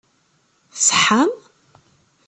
Tṣeḥḥam?